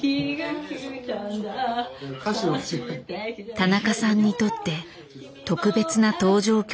田中さんにとって特別な登場曲